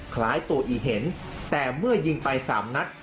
คล้ายตัวอีเห็นแต่เมื่อยิงไปสามนัด